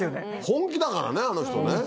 本気だからねあの人ね。